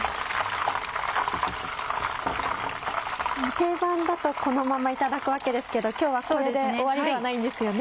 定番だとこのままいただくわけですけど今日はこれで終わりではないんですよね？